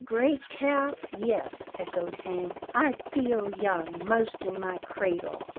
" Great calf, yes," echoed Hank, " I feel young, most in my cradle.